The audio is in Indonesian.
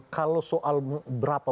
kalau soal berapa